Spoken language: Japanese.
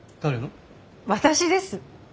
私です。